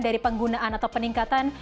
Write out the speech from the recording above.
dari penggunaan atau peningkatan